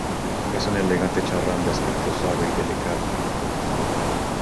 Es un elegante charrán de aspecto suave y delicado.